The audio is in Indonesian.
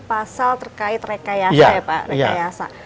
pasal terkait rekayasa